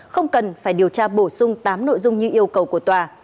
không cần phải điều tra bổ sung tám nội dung như yêu cầu của tòa